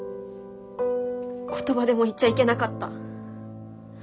言葉でも言っちゃいけなかった。